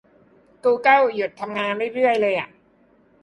กูเกิลหยุดทำงานเรื่อยเรื่อย